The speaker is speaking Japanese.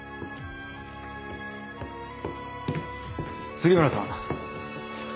杉村さん。